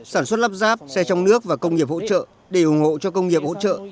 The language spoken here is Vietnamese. sản xuất lắp ráp xe trong nước và công nghiệp hỗ trợ để ủng hộ cho công nghiệp hỗ trợ